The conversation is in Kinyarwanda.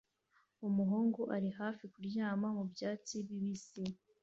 Umuhungu ari hafi kuryama mubyatsi bibisi